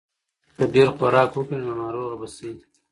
که ډېر خوراک وکړې نو ناروغه به شې.